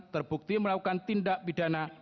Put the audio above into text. terbukti melakukan tindak pidana